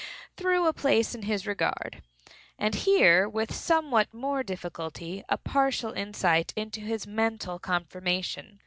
Here it was that I obtained a place in his regard, and here, with somewhat more difficulty, a partial insight into his mental conformation.